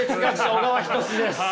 小川仁志です。